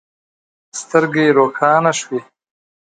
سترګې يې روښانه شوې.